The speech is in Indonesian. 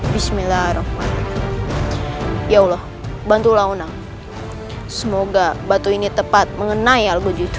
bismillahirohmanirohim ya allah bantulah onang semoga batu ini tepat mengenai alguj itu